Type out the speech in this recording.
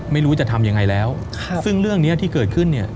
ไม่รู้จะทำยังไงแล้วซึ่งเรื่องนี้ที่เกิดขึ้นเนี่ย